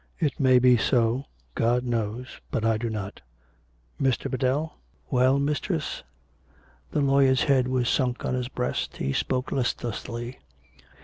" It may be so. God knows ! But I do not. ... Mr. Biddell ?"" Well, mistress ?" The lawyer's head was sunk on his breast; he spoke listlessly.